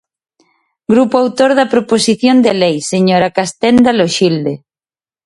Grupo autor da proposición de lei, señora Castenda Loxilde.